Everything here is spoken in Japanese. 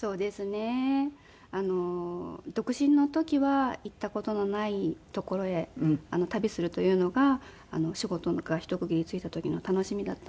独身の時は行った事のない所へ旅するというのがお仕事が一区切りついた時の楽しみだったんですけれど。